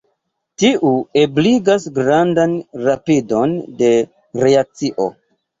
Tiu ebligas grandan rapidon de reakcio.